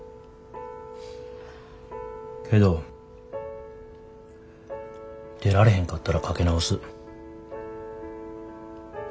けど出られへんかったらかけ直す。